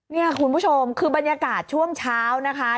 นี่คุณผู้ชมคือบรรยากาศช่วงเช้านะคะ